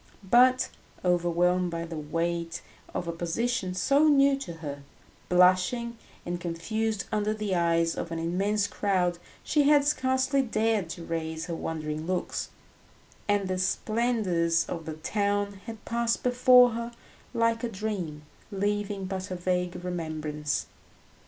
But, overwhelmed by the weight of a position so new to her, blushing and confused under the eyes of an immense crowd, she had scarcely dared to raise her wondering looks, and the splendours of the town had passed before her like a dream, leaving but a vague remembrance.